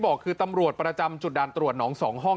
บอกคือตำรวจประจำจุดด่านตรวจหนอง๒ห้อง